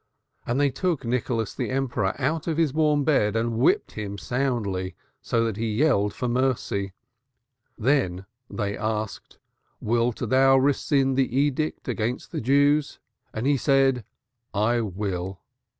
And they took Nicholas the Emperor out of his warm bed and whipped him soundly so that he yelled for mercy. Then they asked: 'Wilt thou rescind the edict against the Jews?' And he said 'I will.'